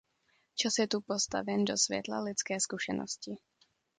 Čas je tu postaven do světla lidské zkušenosti.